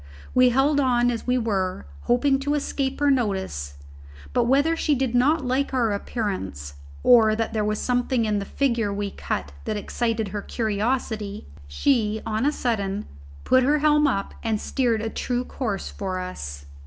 We held on as we were, hoping to escape her notice; but whether she did not like our appearance, or that there was something in the figure we cut that excited her curiosity, she, on a sudden, put her helm up and steered a true course for us.